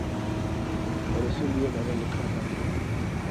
اور اسی لیے میں نے لکھا تھا کہ